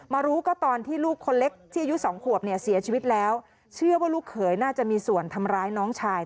รู้ก็ตอนที่ลูกคนเล็กที่อายุสองขวบเนี่ยเสียชีวิตแล้วเชื่อว่าลูกเขยน่าจะมีส่วนทำร้ายน้องชาย